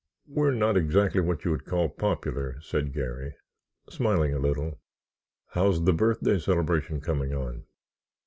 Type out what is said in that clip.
"We're not exactly what you'd call popular," said Garry, smiling a little. "How's the birthday celebration coming on?"